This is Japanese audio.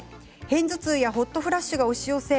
片頭痛やホットフラッシュが押し寄せ